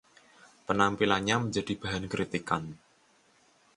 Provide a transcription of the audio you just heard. Penampilannya menjadi bahan kritikan.